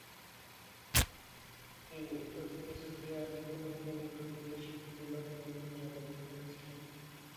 তিনি প্রথমে সুফি আজিজুর রহমানের ভাতিজির সাথে বিবাহ বন্ধনে আবদ্ধ হয়েছিলেন।